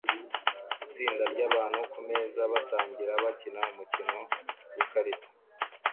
Itsinda ryabantu kumeza basangira bakina umukino wikarita